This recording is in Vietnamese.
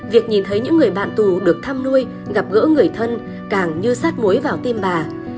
việc nhìn thấy những người bạn tù được thăm nuôi gặp gỡ người thân càng như sát muối vào tim bà